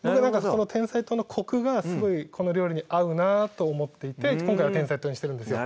この甜菜糖のコクがすごいこの料理に合うなと思っていて今回は甜菜糖にしてるんですよ